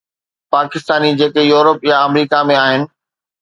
پاڪستاني جيڪي يورپ يا آمريڪا ۾ آهن.